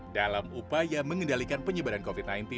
dalam upaya mengendalikan penyebaran covid sembilan belas